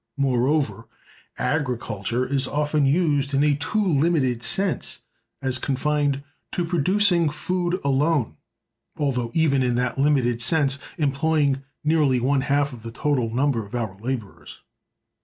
Moreover, "agriculture" is often used in a too limited sense as confined to producing food alone (although even in that limited sense employing nearly one half of the total number of our laborers).